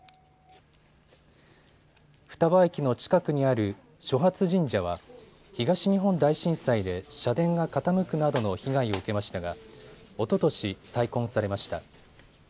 双葉駅の近くにある初發神社は東日本大震災で社殿が傾くなどの被害を受けましたがおととし再建されました。